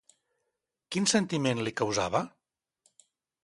Quin sentiment li causava?